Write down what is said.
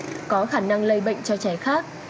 và có khả năng lây bệnh cho trẻ khác